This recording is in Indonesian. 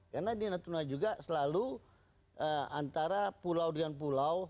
karena di natuna juga selalu antara pulau dengan pulau